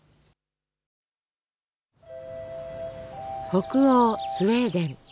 北欧スウェーデン。